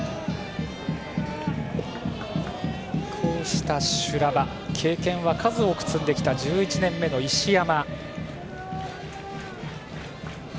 こうした修羅場経験は数多く積んできた１１年目の石山。